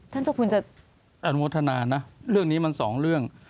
เจ้าคุณจะอนุโมทนานะเรื่องนี้มันสองเรื่อง